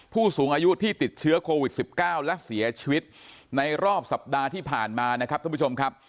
ผู้สูงอายุที่ติดเชื้อโควิด๑๙และเสียชีวิตในรอบสัปดาห์ที่ผ่านมานะครับท่านผู้ชมครับ